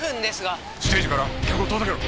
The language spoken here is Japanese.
ステージから客を遠ざけろ！